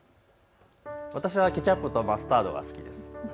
私はケチャップとマスタードが好きです。